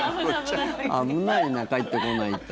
危ないな、帰ってこないと。